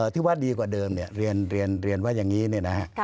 ถือว่าดีกว่าเดิมเรียนว่าอย่างนี้นะครับ